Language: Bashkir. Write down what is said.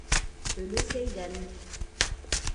Өләсәйҙән...